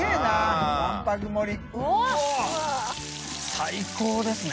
最高ですね。